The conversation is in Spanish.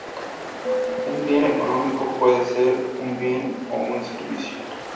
Un bien económico puede ser un bien o un servicio.